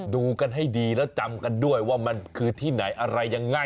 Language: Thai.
ดูกันให้ดีแล้วจำกันด้วยว่ามันคือที่ไหนอะไรยังไง